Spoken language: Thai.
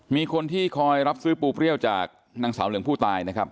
มีคนที่คอยรับซื้อปูเปรี้ยวจากนางสาวเหลืองผู้ตายนะครับ